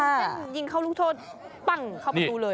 นี่อะน้องเซ่นยิงเข้าลูกโทษปั๊กเข้าประตูเลย